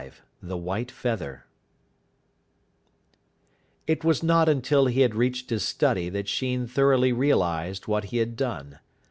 V THE WHITE FEATHER It was not until he had reached his study that Sheen thoroughly realised what he had done.